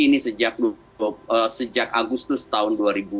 ini sejak agustus tahun dua ribu dua puluh